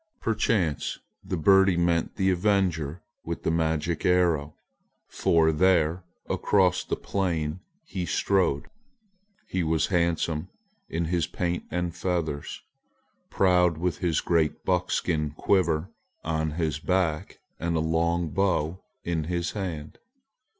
Perchance the birdie meant the avenger with the magic arrow, for there across the plain he strode. He was handsome in his paint and feathers, proud with his great buckskin quiver on his back and a long bow in his hand.